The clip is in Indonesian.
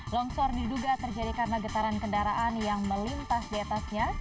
longsor diduga terjadi karena getaran kendaraan yang melintas di atasnya